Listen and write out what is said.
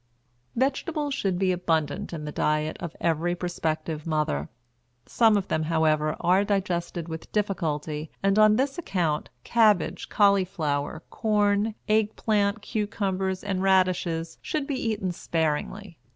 Vegetables should be abundant in the diet of every prospective mother. Some of them, however, are digested with difficulty, and on this account cabbage, cauliflower, corn, egg plant, cucumbers, and radishes should be eaten sparingly.